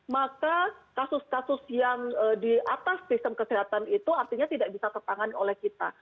maka kasus kasus yang di atas sistem kesehatan itu artinya tidak bisa tertangani oleh kita